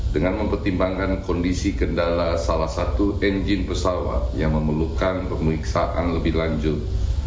dengan mempertimbangkan kondisi kendala salah satu engine pesawat yang memerlukan pemeriksaan lebih lanjut